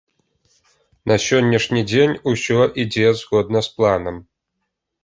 На сённяшні дзень усё ідзе згодна з планам.